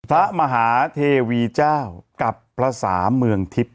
พระมหาเทวีเจ้ากับภาษาเมืองทิพย์